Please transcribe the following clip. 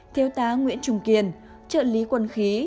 thiếu tá nguyễn trung kiên trợ lý quân khí